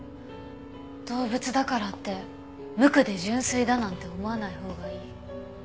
動物だからって無垢で純粋だなんて思わないほうがいい。